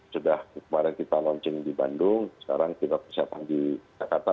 sudah kemarin kita launching di bandung sekarang kita persiapan di jakarta